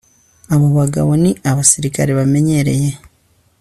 Abo bagabo ni abasirikare bamenyereye